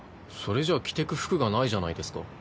それじゃあ着て行く服がないじゃないですか。